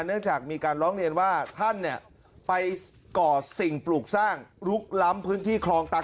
เนื่องจากมีการร้องเรียนว่าท่านเนี่ยไปก่อสิ่งปลูกสร้างลุกล้ำพื้นที่คลองตัน